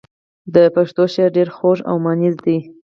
د پښتو شعر ډېر خوږ او مانیز دی.